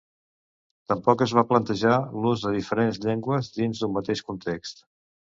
Tampoc es va plantejar l'ús de diferents llengües dins d'un mateix context.